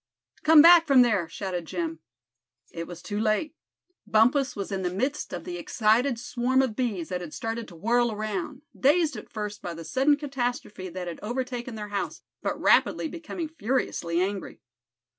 "Come back from there!" shouted Jim. It was too late. Bumpus was in the midst of the excited swarm of bees that had started to whirl around, dazed at first by the sudden catastrophe that had overtaken their house, but rapidly becoming furiously angry.